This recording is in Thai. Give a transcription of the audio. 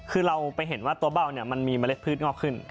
คือเราไปเห็นว่าตัวเบ้าเนี่ยมันมีเมล็ดพืชงอกขึ้น